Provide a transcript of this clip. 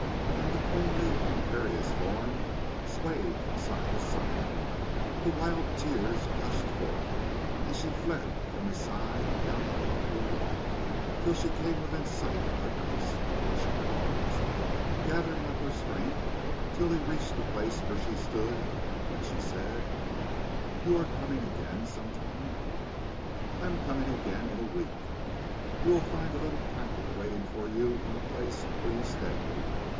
And the queenly, imperious form swayed from side to side, and the wild tears gushed forth, and she fled from his side down the poplar walk, till she came within sight of the house, when she paused, gathering up her strength till he reached the place where she stood, when she said: "You are coming again, some time?" "I am coming again in a week." "You will find a little packet awaiting you in the place where you stay.